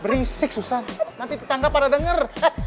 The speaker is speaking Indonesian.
berisik susan nanti tetangga pada denger